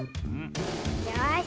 よし。